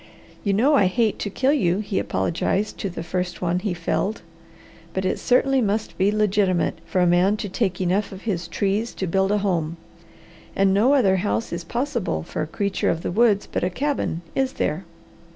"You know I hate to kill you," he apologized to the first one he felled. "But it certainly must be legitimate for a man to take enough of his trees to build a home. And no other house is possible for a creature of the woods but a cabin, is there?